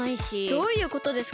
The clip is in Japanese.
どういうことですか？